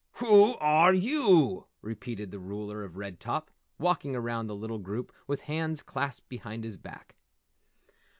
"Whew are yew?" repeated the Ruler of Red Top, walking around the little group with hands clasped behind his back.